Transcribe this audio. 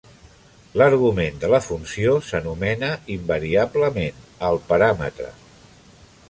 L'argument de la funció s'anomena invariablement "el paràmetre".